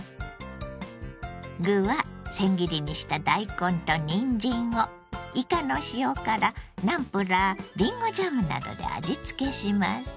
具はせん切りにした大根とにんじんをいかの塩辛ナムプラーりんごジャムなどで味付けします。